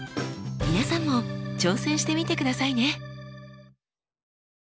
皆さんも挑戦してみてくださいね。